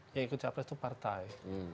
yang ikut capres itu partai